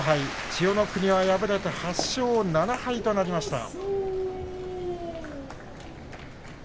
千代の国は敗れて８勝７敗となりました。